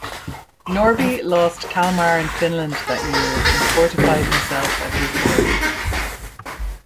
Norby lost Kalmar and Finland that year, and fortified himself at Visborg.